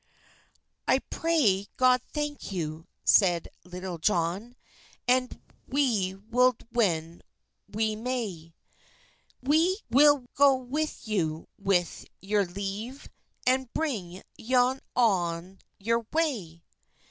"I pray God thanke yow," seid Litulle Johne, "And we wil when we may; We wil go with yow, with your leve, And brynge yow on your way.